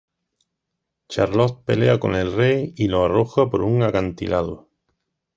Charlot pelea con el rey y lo arroja por un acantilado.